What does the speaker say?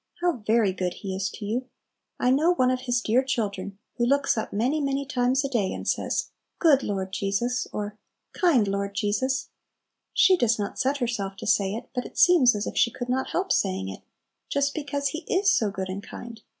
How very good He is to you! I know one of His dear children who looks up many, many times a day, and says, "Good Lord Jesus!" or "Kind Lord Jesus!" She does not set herself to say it, but it seems as if she could not help saying it, just because He is so good and kind.